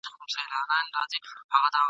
خدای ورکړی په قدرت ښکلی جمال وو !.